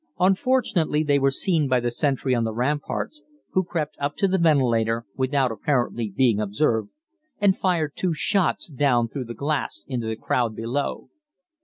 Unfortunately they were seen by the sentry on the ramparts, who crept up to the ventilator, without apparently being observed, and fired two shots down through the glass into the crowd below.